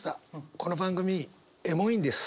この番組エモいんです。